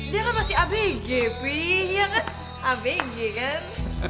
dia kan masih abg pih iya kan abg kan